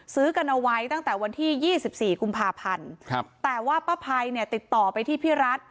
ซื้อกันเอาไว้ตั้งแต่วันที่๒๔กุมภาพันธ์แต่ว่าป้าภัยเนี่ยติดต่อไปที่พี่รัฐ